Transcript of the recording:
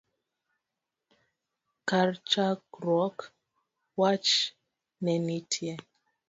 Kar chakruok wach ne ntie